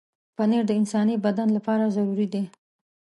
پنېر د انساني بدن لپاره ضروري دی.